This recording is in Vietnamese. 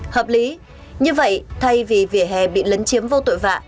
hợp lý như vậy thay vì vỉa hè bị lấn chiếm vô tội vạ